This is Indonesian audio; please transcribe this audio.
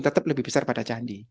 tetap lebih besar pada candi